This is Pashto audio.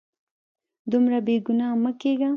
دومره بې ګناه مه کیږه